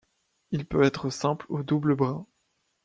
Il peut être simple ou double-brins.